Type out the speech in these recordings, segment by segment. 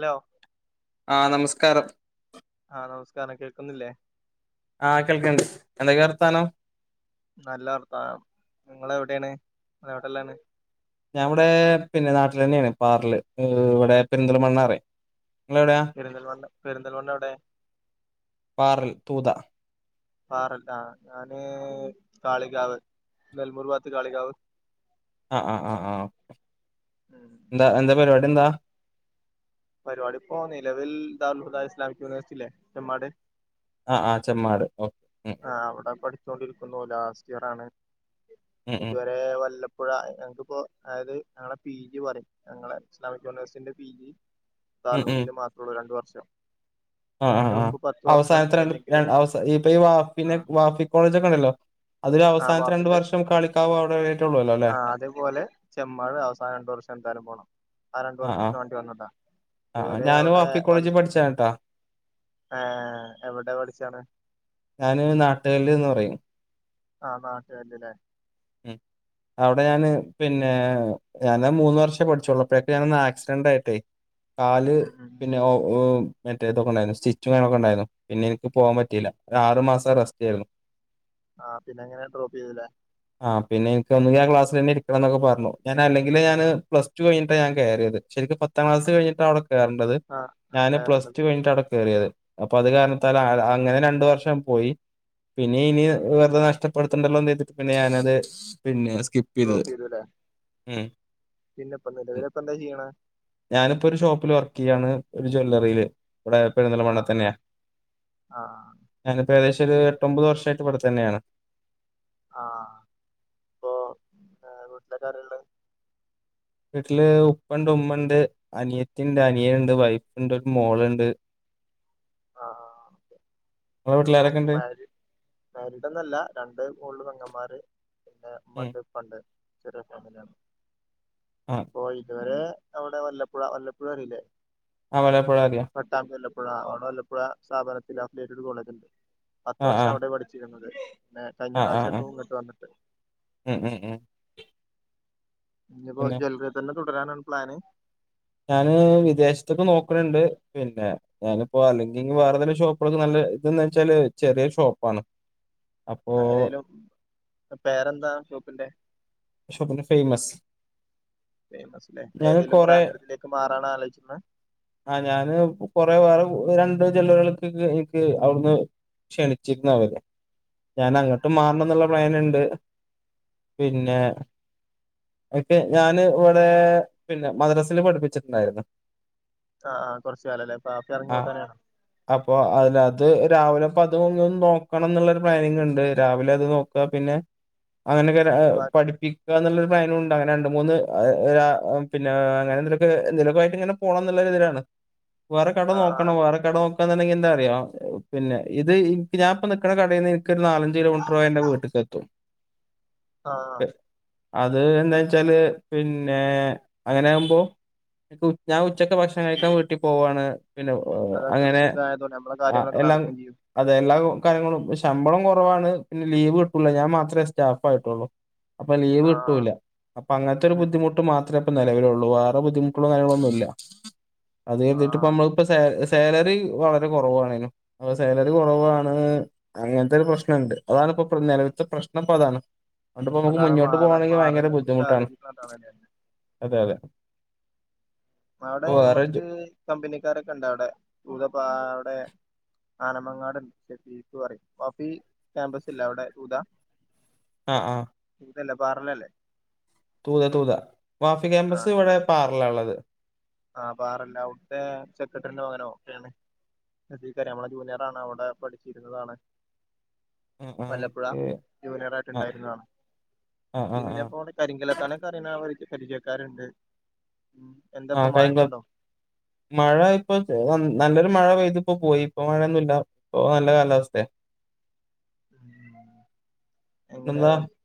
Law ആ നമസ്കാരം ആ നമസ്കാരം കേക്കുന്നില്ലേ ആ കേൾക്കണ്ട് എന്തൊക്കെ വർത്താനം നല്ല വർത്താനം ങ്ങളെവിടേണ് ങ്ങളെവിടെല്ലാണ് ഞാ ഇവിടെ പിന്നെ നാട്ടിൽ തന്നെയാണ് പാറൽ ഇവിടെ പെരുന്തൽ മണ്ണാറി പെര്ന്തൽമണ്ണ പെര്ന്തൽമണ്ണവിടെ പാറൽ തൂത പാറല്ല ഞാന് കാളികാവ് നെൽമൂർ ഭാത്ത് കാളികാവ് അ അ അ അ ഉം. എന്താ എന്താ പരിപാടി എന്താ പരിപാടിപ്പോ നിലവിൽ ദാറുൽഹുദ ഇസ്ലാമക് യൂണിവേഴ്സിറ്റില്ലേ ചെമ്മാട് ആ ആ ചെമ്മാട് ഓക്കെ ഉം ആ അവിടെ പഠിച്ചോണ്ടിരിക്കുന്നു ലാസ്റ്റ് ഇയർ ആണ് ഉം ഉം ഇതുവരെ വല്ല ഇപ്പോഴ ഞങ്ങക്കിപ്പോ അതായത് ഞങ്ങളെ പി ജി പറയും ഞങ്ങളെ ഇസ്ലാമിക് യൂണിവേഴ്സിറ്റിന്റെ പി ജി താൽഹുദീന് മാത്രള്ളൂ രണ്ടു വർഷം ആ ആ അതിന്റെ ആ മുമ്പ് പത്ത് വർഷം അവസാനത്തെ രണ്ട് രണ് ഏതെങ്കിലും അവസ ഇപ്പൊ ഈ വാ പിന്നെ വാഫി കോളേജൊക്കെണ്ടല്ലോ ആ അതിലവസാനത്തെ രണ്ടു വാഫിന്റെ വർഷം കളിക്കാവ് അവിടെവ്ടേറ്റ് ആ അത് പോലെ ചെമ്മാട് അവസാന രണ്ടു വർഷം ന്തായാലും പോണം ആ രണ്ടു വർഷത്തിന് വേണ്ടി വന്നതാ ആ ഇതുവരെ ഞാനും അവിടെ വഫി വൽ കോളേജി പഠിച്ചാട്ടാ ഏ എവിടെ പഠിച്ചാണ് ഞാന് നാട്ട്കല്ല്ന്ന് പറയും ആ നാട്ട്കല്ല് ലേ ഉം അവിടെ ഞാന് പിന്നെ ഞാന് മൂന്ന് വർഷേ പഠിച്ചുള്ളു പ്പോഴൊക്കെ ഞാന് ആക്സിഡന്റ് ആയിട്ടേ കാല് ഉം ഉം പിന്നെ മെറ്റേതൊക്കെ ഉണ്ടായിരുന്നു സ്റ്റിച് ക്കെ ഉണ്ടായിരുന്നു പിന്നെ എനിക്ക് പോകാൻ പറ്റില്ല ആറു മാസം റെസ്റ്റ് ആരുന്നു ആഹ് പിന്നെ അങ്ങനെ ഡ്രോപ്പ് ചെയ്തുല്ലേ ആഹ് പിന്നെ എനിക്ക് ഒന്നിങ്കി ആ ക്ലാസിൽന്നെ ഇരിക്കണം എന്നൊക്ക പറഞ്ഞു ഞാന് അല്ലെങ്കി ഞാന് പ്ലസ് ടു കഴിട്ട ഞാൻ കയറിയത് ശരി ക്കും പത്താം ക്ലാസ്സ്‌ കഴിഞ്ഞിട്ട അവിടെ കേയറണ്ടത് ആ ആ ഞാന് പ്ലസ് കയറേണ്ടത് ടു കഴിഞ്ഞിട്ടവിടെ കയറിയത് അപ്പൊ അത് കാരണത്തൽ അങ്ങനെ രണ്ട് വർഷം പോയി പിന്നെ ഇനി ആ വെറുതെ നഷ്ടപ്പെടുത്തണ്ടല്ലോന്ന് ചെയ്തിട്ട് പിന്നെ ഞാനത് പിന്നെ സ്കിപ്പ് ചെയ്തത് ഉം പിന്നെപ്പൊന്നല്ല പിന്നിപ്പ എന്താ ചെയ്യണ ക്കാണ് ഒരു ജ്വല്ലറിയില് ഇവിടെ ആ പെഴുന്തൽമണ്ണ തന്നെയാ ആ ഞാനിപ്പോ ഏകദേശം ഒരു എട്ട് ഒൻമ്പത് വർഷയിട്ട് ഇവിടെ തന്നെയാണ് ആഹ് ഇപ്പൊ വീട്ടിലൊക്കെ ആരള്ള വീട്ടില് ഉപ്പ ഉണ്ട് ഉമ്മ ഉണ്ട് അനിയത്തിണ്ട് അനിയൻ ഉണ്ട് വൈഫുണ്ട് ഒരു മോളുണ്ട് [inaudible] നിങ്ങളെ വീട്ടിൽ ബ്രോ ആരൊക്കെണ്ട്? മാര്യേജ് മാരിഡ് ഒന്നുവല്ല രണ്ട് മോളിൽ പെങ്ങന്മാര് പിന്നെ ഉം. ഉമ്മണ്ട് ഇപ്പണ്ട് ചെറിയ ഫാമിലിയാണ് ആ. ഓഹ് ഇതുവരെ അവിടെ വല്ലപ്പുഴ വല്ലപ്പുഴ അറിയില്ലേ ആ ഏഹ് മലയാളപ്പുഴ അറിയാം. പട്ടാമ്പി വല്ലപ്പുഴ അവിടെ വല്ല പ്പുഴ സ്ഥാപനത്തിൽ അഫ്ലേറ്റ് ഒരു കോളേജുണ്ട് പത്ത് ആ ആ. വർഷം അവിടെ പഠിച്ചിരുന്നത് പിന്നെ കഴിഞ്ഞ ആ ആ പ്രാവിശ്യ ആ. ഇപ്പോ ഇങ്ങട്ട് വന്നിട്ട് ഉം ഉം ഉം. ഇനിപ്പോ പിന്നെ ജ്വാലറി തന്നെ തുടരാനാണ് പ്ലാന് ഞാന് വിദേശത്തൊക്കെ നോക്കണണ്ട് പിന്നെ ഞാനിപ്പോ അല്ലെങ്കി വേറെതെങ്കിലും ഷോപ്പുകളൊക്കെ നല്ല ഇതെന്ന് വെച്ചാല് ചെറിയ ഷോപ്പാണ് അപ്പോ ഏതെലും പേരെന്താ ഷോപ്പിന്റെ ഷോപ്പിന്റെ ഫേമസ് ഫേമസ് ലേ ഞാന് ഏതെലും ബ്രാൻഡഡിലെക്ക് മാറാണ ആലോചിക്കുന്ന ആഹ് ഞാന് കൊറ വേറെ ര ണ്ട് ചിലകൾകൊക്കെ എനിക്ക് അവിടുന്ന് ക്ഷണിച്ചിക്കുന്ന് അവരെ ഞാൻ ഉം അങ്ങോട്ട് ഉം. മാറണം എന്നുള്ള പ്ലൻ ഉണ്ട് പിന്നെ ക്കെ ഞാന് ഇവിടെ പിന്നെ മദ്രാസിൽ പഠിപ്പിച്ചിട്ടുണ്ടായിരുന്നു ആ ആ കുറച്ച് കാലല്ലേ പാപ്പ ഇറങ്ങി ആഹ് ഓട്ടാനാണ് അപ്പൊ അതിനത്ത് രാവിലെ അപ്പ അത് ഒന്ന് നോക്കണം എന്നുള്ളരു പ്ലാനിങ് ഉണ്ട് രാവിലെ അത് നോക്കാ പിന്നെ അങ്ങനെ ചില പിന്നെ ബാ പഠി പ്പിക്കുക എന്നുള്ളൊരു പ്ലാനുണ്ട് അങ്ങനെ രണ്ട് മൂന്ന് പിന്നെ അങ്ങനെ എന്തെലൊക്കെ എന്തെലൊക്കെ ആയിട്ട് ഇങ്ങനെ പോണം എന്നുള്ള ഇതിലാണ് വേറെ കട ആ ആ നോക്കണം വേറെ കട [unintelligible] എന്താറിയോ പിന്നെ ഇത് ഞാനിപ്പൊ നിക്കണ കടയിനിന്ന് എനിക്ക് നാലഞ്ച് കിലോമീറ്റർ പോയ എന്റെ വീട്ടിക്ക് എത്തും [inaudible] ആഹ് അത് എന്താന് വെച്ചാല് പിന്നെ അങ്ങനാകുമ്പോ ഞാൻ ഉച്ചക്ക് ഭക്ഷണം കഴിക്കാൻ വീട്ടിൽ പോവാണ് പിന്നെ അതൊക്കെ ഒരു അങ്ങനെ സുഖമായതുകൊണ്ട് നമ്മളെ കാര്യങ്ങളൊക്കെ എല്ലാം നടക്കുകയും ചെയ്യും അതെ എല്ലാ കാര്യങ്ങളും ശമ്പളം കുറവാണ് പിന്നെ ലീവ് കിട്ടൂല ഞാൻ മാത്രമേ സ്റ്റാഫ് ആയിട്ടുള്ളൂ അപ്പൊ ലീവ് ആ കിട്ടൂല അപ്പൊ അങ്ങനത്തെ ഒരു ഉം ഉം ബുദ്ധിമുട്ട് മാത്രം നിലവിലുള്ളു വേറെ ബുദ്ധിമുട്ടുള്ളും കാര്യങ്ങളും ഒന്നുല ആ അതിട്ട് ഇപ്പോ നമ്മൾ ഇപ്പൊ സ സാലറി വളരെ കുറവണേനു സാലറി കുറവാണ് അങ്ങനത്തെ ഒരു പ്രശ്നണ്ട് അതണ് ഇപ്പോ നിലവിൽത്തെ പ്രശ്നം ഇപ്പോ അതാണ് അപ്പൊ നമുക്ക് അതാണ് മുന്നോട്ട് മാറ പോവാണെങ്കിൽ ഭയങ്കര മാറലിനെ കുറിച്ച് ബുദ്ധിമുട്ടാണ് ആലോചിക്കുന്നതാണ് അതെതെ അവിടെ നമ്മക്ക് കമ്പനിക്കാരൊക്കെ ഉണ്ട് അവിടെ ചൂതപ്പ അവിടെ ആനമങ്ങാട് [unintelligible] പറയും വഫി ക്യാമ്പസ് ഇല്ല അവിടെ ഉതാ ആ ആ അല്ലേ പാറലല്ലേ തൂത തൂതാ മാഫി ക്യാമ്പസ് ഇവിടെ പാറല ഉള്ളത് ആ് പാറല്ല അവിടുത്തെ സെക്രട്ടറിന്റെ മകനോ ഒെയാണ് ീക്ക നമ്മളെ ജൂനിയർ ആാണ് അവിടെ പഠിച്ചിരുന്നതാണ് ആ ആ വല്ലപ്പുഴ എനിക്ക് ജൂനിയർ ആ ആയിട്ടുണ്ടായിരുന്നതാണ് ആ ആ ആ പിന്നെപ്പോവിടെ കരിങ്കലത്താനൊക്കെ അറണ പരിചയക്കാരുണ്ട് എന്താപ്പൊ ആഹകഴ മഴയൊക്കെ ഉണ്ടോ മഴ ഇപ്പ നല്ല മഴ പെയ്തിപ്പോ പോയി ഇപ്പ മഴയൊന്നല്ല ഇപ്പ നല്ല കാലാവസ്ഥയ എന്താ [unintelligible]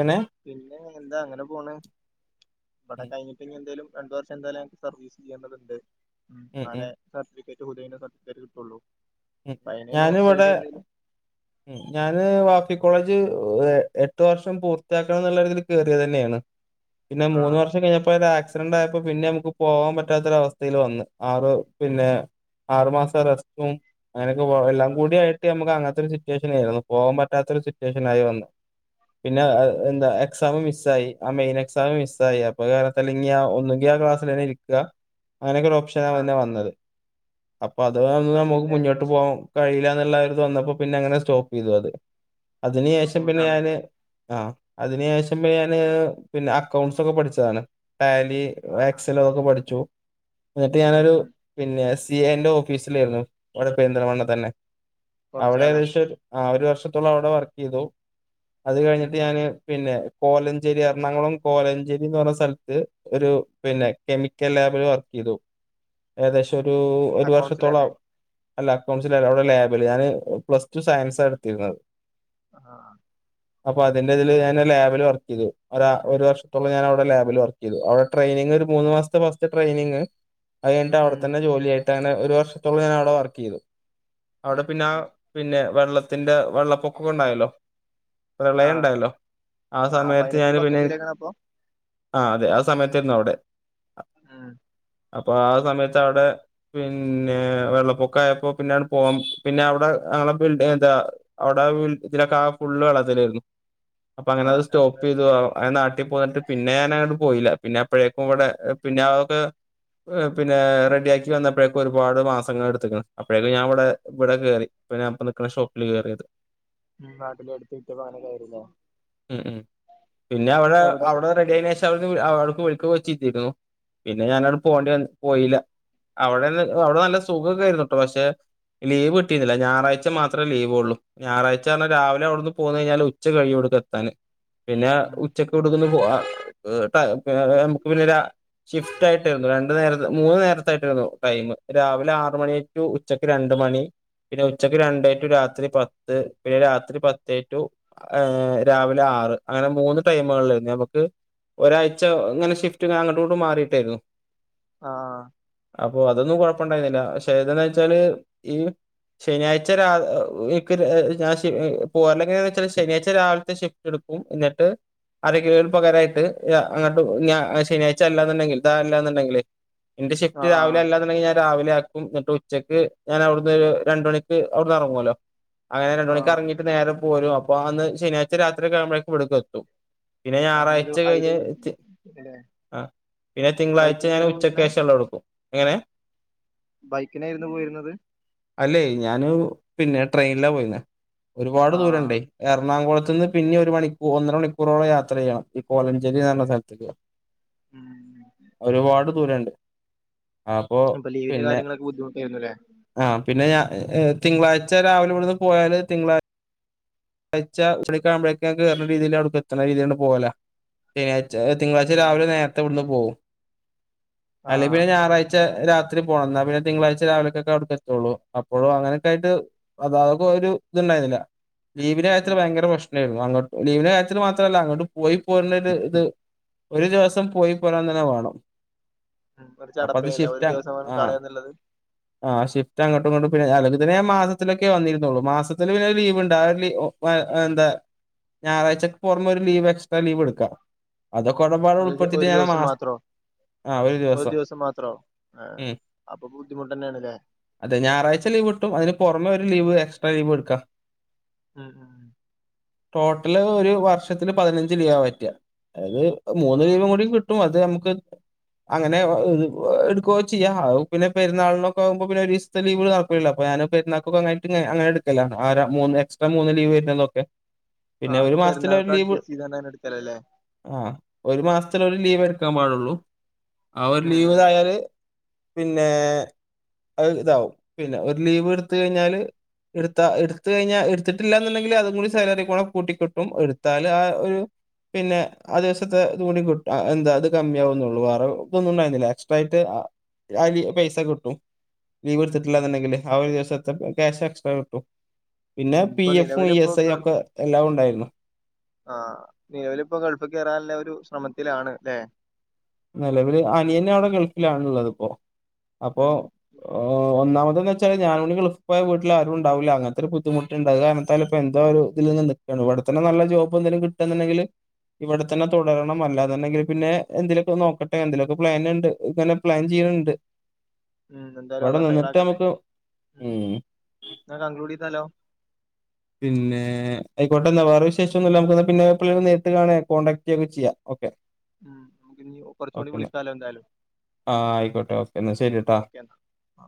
എങ്ങനെ പിന്നെ എന്താ അങ്ങനെ പോണ് ഇവിടെ ഉം, കഴിഞ്ഞിപ്പോ ഇനി എന്തേലും രണ്ടു വർഷം എന്തായാലുംക്ക് സർവീസ് ചെയ്യുന്നത്ണ്ട് ഉം, ഉം, നാളെ സർട്ടിഫിക്കറ്റ് [unintelligible] അയിന് ഞാന് നോർത്ത് ഇവിടെ സൈഡ് എന്തേലും ഉ ഞാാന് വാഫി കോളേജ് എട്ടു വർഷം പൂർത്തിയാക്കണം എന്നുള്ളതിൽ കയറിയ തന്നെയാണ് പിന്നെ മൂന്ന് ആഹ് വർഷം കഴിഞ്ഞപ്പോ [unintelligible] ായപ്പോ പിന്നെ നമുക്ക് പോകാൻ പറ്റാത്തൊരവസ്ഥയിൽ വന്ന് ആറ് പിന്നെ ആറുമാസം റസ്റ്റും അങ്ങനൊക്കെ എല്ലാം കൂടിിയായിട്ട് നമുക്ക് അങ്ങനത്തെരു േഷ ആ പോൻ പറ്റാത്ത സിറ്റേഷൻ ആയി വന്ന പിന്നെ എന്താ എക്സ മിസ് മ ആ മെയിൻ എക്സാം മിസ്സായിയി അപ്പൊ കാരല്ലെങ്ക ആ ഒന്നങ്ക ആ ക്ലാസ്സെ ഇരിക്കുക അങ്ങനെയൊക്കെ ഒരു ഓപ്ഷനാണ് ആഹ് പിന്നെ വന്നത് അപ്പൊ അത് നമുക്ക് മുന്നോട്ട് പോകാം കഴില്ലന്നുള്ള ഒരു ത വന്നപ്പോ പിന്നെങ്ങനെ സ്റ്റോപ്പ് ചെയ്തു അത് അതിനന് ശേഷം പിന്നെ ബുദ്ധിമുട്ടാണല്ലേ ഞാന് ആ അതിനന് ശേഷം ഞാന് പിന്നെ അക്കൗണ്ട്സ ഒക്കെ പഠിച്ചതാണ് ടാലി ആഹ് ആഹ് ആക്സൽതൊക്കെ പഠിച്ചു എന്നിട്ട് ഉം ഞാനൊരു ഉം പിന്നെ സി എ എന്റെ ഓഫീസിലായിരുന്നു അവിടെ പെരിന്തൽമണ്ണ തന്നെ കൊറച്ച് അവിടെ കാലം ഏകദേശം ആ ഒരു വർഷത്തോളം അവിടെ വർക്ക് ചെയ്തു അത് ഉം കഴിഞ്ഞിട്ട് ഞാന് പിന്നെ കോലഞ്ചേരി എറണാകുളം കോലഞ്ചേരിന്ന് പറഞ്ഞ സ്ഥലത്ത് ഒരു പിന്നെ കെമിക്കൽ [unintelligible] വർക്കി തു [unintelligible] അക്കൗണ്ട്സിൽ വർഷത്തോല്ല തന്നെ അക്കൗ ലാബ പ്ല്സ് ടടു സയൻസ് [unintelligible] ഇടത്തീനെ ആ അപ്പൊ അതിന്റെ ഇതിൽ ഞാൻ ലാബിൽ വർക്ക് ചെയ്തു ഒരു വർഷോം ഞൻവിടെ ലാബിൽ വർക്ക് ചെയ്തു അവിടെ ട്രെനി ഒരു മൂന്ന് മാസത്തെ ഫസ്ത്തെ ട്രെയിനിങ് അത്ഴിഞ്ഞട്ട് ഉം അവിടെന്നെ ജോലിയായിട്ട് അങ്ങന ഒരു വർഷത്തോം ഞൻ അവിടെ വർക്ക് ചെയ്തു അവിടെ ഉം പിന്നെ ആ ഉം പിന്നെ വെള്ളത്തിറെ വെള്ളപ്പൊക്കൊക്കെ ഉണ്ടായല്ലോ പ്രളയം ആഹ് ഉണ്ടല്ലോ ആ ആഹ് സമയത്ത് പതിനെട്ടില് ഞാന് പിന്നെ പത്തൊമ്പതിലേക്കാണ് അപ്പൊ ആ അതെ ആ സമയത്തരുന്നു അവിടെ ഉം അപ്പൊ ആ സമയത്ത് അവിടെ പിന്നെ വെള്ളപ്പൊക്ക ആയപ്പോ പിന്നാണ് പോകം പിന്നെ അവിടെ [unintelligible] അവിടെ ഇതിലൊക്കെ ഫുള്ള് വളത്തിലായിരുന്നു അപ്പൊ അങ്ങനെ ആഹ് അത് സ്റ്റോപ്പ് നമ്മള് ചെയ്തുന നാട്ടിൽ പോന്നിട്ട് പിന്നെ ഞാന പോയില്ല പിന്നെ എപ്പോഴേക്കും ഇവിടെ പിന്നെ അതൊക്കെ പിന്നെ റെഡിയാക്കി വന്നപ്പോഴേക്കും ഒരുപാട് മാസങ്ങൾ എടുത്തക്കണ് അപ്പോഴേക്കും ഞാൻ ഇവിടെ ഇവിടെ കയറി പിപ്പെ ഞൻപ്പ നിക്കുന്ന ഷോപ്പില് കയറിയത് ഉം ഉം [unintelligible] വി അവക്ക് വിളിക്ക വെച്ചിട്ടരുന്നു പിന്നെ ഞാനവിടെ പോകേണ്ടി വ പോയില്ല അവിടെ അവിടെ നല്ല സുഖൊക്കെ ആയിരുന്നു കേട്ടോ പക്ഷെ ലീവ് കിട്ടിരുന്നില്ല ഞായറാഴ്ച മാത്രം അത്ര ലീവേള്ള ഞായറഴ്ച പറാൽ രാവിലെ അവിടുന്ന് പോന്ന കഴിഞ്ഞാൽ ഉച്ച കഴിഞ്ോടുക്ക എത്താാന് പിന്നെ ഉം ഉച്ചക്ക് കൊടുക്കന്ന് പോവാ നമുക്ക് പിന്നെ ഷിഫ്റ്റ് ആയിട്ടരുന്നു രണ്ട നേര മൂന്ന് നേരത്തായിട്ടായിരുന്നു ടൈം രാവിലെ ആറ മണി ു ഉച്ചയ്ക്ക് രണ്ട മണി പിന്നെ ഉച്ചക്ക് രണ്ട രാത്രി പത്ത് പിന്നെ രാത്രി പത്ത് ു രാവിലെ ആറ് അങ്ങനെ മൂന്ന് ടൈ നക്ക് ഒരാഴ്ച ഇങ്ങനെ ഷിഫ്റ്റ് ഇങ്ങനെ അങ്ങോട്ട ക് മാറിട്ടായിരുന്നു ആഹ് അപ്പൊ അതൊന്നുംകൊഴ പ്പണ്ടായിരുന്നില്ല പക്ഷെ ഏതന്ന് വെച്ചാല് ഈ ശനിയഴ്ച രാ എക്ക് ഞ പോറില്ലെങ്കനന്ന് വെച്ചാൽ ശനിയാഴ്ച രാവിലത്തെ ഷിഫ്റ്റ് എടുക്കും എന്നിട്ട് അര കിലോയിൽ പകരായിട്ട് അങ്ങോട്ട് ശനിയാഴ്ച അല്ലാന്നുണ്ടെങ്കിൽ അല്ലാന്നുണ്ടെങ്കിലേ എന്റെ ഷിഫ്റ്റ് രാവിലെ ആഹ് അല്ല എന്നുണ്ടെങ്കി ഞാൻ രാവിലെ ആക്കും എന്നിട്ട് ഉച്ചയ്ക്ക് ഞാൻ അവിടുന്ന് രണ്ട മണിക്ക് ഇറങ്ങല്ലോ അങ്ങനെ രണ്ട മണിക്ക് ആഹ് ഇറങ്ങിട്ട് നേരെ പോരും അപ്പൊ അന്ന് ശനിയാഴ്ച രാത്രി കഴുമ്പോഴേ വ ഇടക്ക് എത്തും പിന്നെ അങ്ങനൊരു ഞായറാഴ്ച കഴിഞ്ഞ് ഐഡിയ അല്ലേ ആ പിന്നെ തിങ്കളാഴ്ച ഞാൻ ബൈക്കിനായിരുന്നു പോയിരുന്നേ ഉച്ചക്കശെള്ളം എടുക്കും എങ്ങനെ ബൈക്കിനായിരുന്നു പോയിരുന്നത് അല്ലെ ഞാന് പിന്നെ ട്രെയിനില പോയിന്ന ഒരുപാട് ദൂരണ്ടേ ആഹ് എറണാകുള ന്ന് പിന്നെ ഒരു മണൂർ ഒന്ന മണിക്കൂറോളം യാത്ര ചെയ്യണം ഈ കോലഞ്ചേരിന്ന് പറഞ്ഞ ഏഹ് സ്ഥലത്തക്ക ഉം ഒരുപാട് ദൂരുണ്ട് അപ്പൊ ലീവിന്റെ പിന്നെ കാര്യങ്ങളൊക്കെ ബുദ്ധിമുട്ടായിരുന്നുല്ലേ ആ പിന്നെ ഞാൻ ഏ തിങ്കളാഴ്ച രാവിലെ ഇവിടുന്ന് പോയാല് തിങ്കളാ കഴച്ചാ ഉളിക്കാാവുമ്പോഴേക്ക കേറ രീതിൽ അവി എത്തുന്ന രീതിീണ്ട് പോകല തിങ്കളാഴ്ച ഉം ഉം രാവിലെ നേരത്തെ ഇവിടുന്ന് പോവും അല്ലെ ആഹ് പിന്നെ ഞായറാഴ്ച രാത്രി പോകണംന്നാൽ പിന്നെ തിങ്കളാഴ്ച രാവിലെക്കൊക്കെ അവിടെക്ക് എത്തുള്ളൂ അപ്പോഴും അങ്ങനൊക്കെ ആയിട്ട് അതാ ഒരു ഇത്ണ്ടായിന്നില്ല ലീവിന്റെ കാര്യത്തിൽ ഉം ഭയങ്കര പ്രശ്നമായിരുന്നു അങ്ങോട്ട് ലീവിന്റെ കാര്യത്തിൽ മാത്രല്ല അങ്ങോട്ട് പോയി പോര ഒരു ഇത് ഒരു ദിവസം പോയി പോരാൻ തന്നെ വേണം ഉം ഒരു അപ്പൊ അത് ചടപ്പേല്ല ഒരു ഷിഫ്റ്റ് ദിവസമാണ് ആ കളയാന്നുള്ളത് ആ് ഷിഫ്റ്റ് അങ്ങോട്ടും ഇങ്ങോട്ടും പിന്നെ അിൽ തന്നെ മാസത്തിലൊക്കെ വന്നിരുന്നുള്ളൂ മാസത്തിൽ പിന്നെ ലീവ്ണ്ട് എ എന്താ ഞായറാഴ്ചക്ക് പുറമെ ഒരു ലീവ് എക്സ്ട്രാ ലീവ് എടുക്കാ അതൊക്കെ ഒരുടപാട് ഏകദേശം ഉളൾപ്പെടുത്തിയിട്ട് ഒരു ഞാനൻ ദിവസം മാസം മാത്രോ ഒരു ദിവസം മാത്രോ ഏ ഉം അപ്പൊ ബുദ്ധിമുട്ട് തന്നെയണല്ലേ അതെ ഞായറാഴ്ച ലീവ് കട്ട അതിന് പുറമെ ഒരു ലീവ്ക്സ്ട്രാ ലീവ് എടുക്കാം ഉം ഉം ടോട്ടല് ഒരു വർഷത്തില് പതിനഞ്ച് ലീവാ പറ്റുക അതത് മൂന്ന് ആഹ് രീപം കൂടി കിട്ടും അത് നമുക്ക് അങ്ങനെ എടുക്കുകയോ ചെയ്യാം പിന്നെ പെരുന്നളിനൊക്കെ ആകുമ്പോ പിന്നെ ഒരീസത്തെ ലീവിന് നടക്കൂല്ലല്ലോ അ ഞാന പെരുന്നാൾക്കെഒന്നായിട്ട് അങ്ങനെ എടുക്കലാ എക്സ്ട്രാ മൂന്ന് ലീവ് വരുന്നന്നൊക്കെ പിന്നെ ഒരു ആക്കെ മാസത്തില ഒരു പെരുന്നാൾക്ക് ലീവ് അഡ്ജസ്റ്റ് ചെയ്താണ്ട് അങ്ങനെ എടുക്കലല്ലേ ആ ഒരു മാസത്തിലരു ലീവ് എ ക്കാൻ പാടുള്ളൂ അവര് ഉം ലീവ്തായാല് പിന്നെ അ ഇതാവും പിന്നെ ഒരു ലീവ് എടുത്ത കഴിഞ്ഞാല് എടുത്ത എടുത്ത കഴിഞ്ഞാൽ എടുത്തിട്ടില്ല എന്നുണ്ടെങ്കിൽ അതും കൂടി സാലറി കൂടെ കൂട്ട കിട്ടും എടുത്താൽ ആ ഒരു പിന്നെ ആ ദിവസത്തെ ഇത കൂടി എന്താ അത് കമ്മിയ ആന്നള്ളൂ വേറെ ഇതൊന്നും ഉണ്ടായിരുന്നില്ല എക്സ്ട്രാ ആയിട്ട് അല പൈസ കിട്ടും ലീവ് ഉം എടുത്തിട്ടില്ല എന്നുണ്ടെങ്കില് ആ ഒരു ദിവസത്തെ ക്യാഷ് എക്സ്ട്രാ കിട്ടും പിന്നെ ഉം പി എഫും ഇ എസ് ഐ ഒക്കെ എല്ലാം ഉണ്ടായിരുന്നു ആഹ നിലവൽപ്പോ ഗൾഫ് ക കേറാനുള്ള ഒരു ശ്രമത്തിലാണ് അല്ലെ നിലവിൽ അനിയനെ അവിടെ ഗൾഫിലണുള്ളത് ഇപ്പോ അപ്പൊ ഉം ഒന്നാമത്തെ എന്താ വച്ചാ ഞാൻ ഗൾഫ പോട്ട ആു ഉണ്ടാവില്ല അങ്ങനത്തെ ബുദ്ധിമുട്ടുണ്ട് അത് കാരാണത്തല ഇപ്പോ എന്തോ ഒരു ഇതി നിന്ന് ഇവിടെത്തന്നെ നല്ല ജോബ് എന്തേലും കിട്ടന്നുണ്ടെങ്കിൽ ഇവിടെത്തന്നെ തുടരണംമല്ലാ എന്നുണ്ടെങ്കിൽ പിന്നെ എന്തേലും നോക്കട്ടെ എന്തെങ്കലുമൊക്കെ പ്ലാനൻണ്ട്ങ്ങനെ പ്ലാൻ ചെയ്യണണ്ട് ഉം എന്തായാലും അള്ള ഹൈറ ക്കട്ടെ ഉ ഉം ഞ കൺക്ലൂഡ് ചെയ്താലോ പിന്നെ ആയിക്കോട്ടെ എന്നാ വേറെ വിശേഷം ഒന്നുമ നമുക്ക് പിന്നെ എപ്പ ള്ളേയു നേരിട്ട് കാണ കോൺടാക്ട് ചെയ്യൊക്കെ ചെയ്യാം ഓക്കെ ഉം നമുക്ക് ഇ ഓപ്പറച്ചൂണി ഓക്കെ വിളിക്കാലോ എന്തായാലും ആ ആയിക്കോട്ടെ ഓക്കേ എന്നാ ശരിട്ടാ ഓക്കെ എന്നാ